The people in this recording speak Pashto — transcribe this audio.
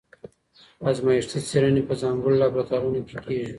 ازمایښتي څېړني په ځانګړو لابراتوارونو کي کيږي.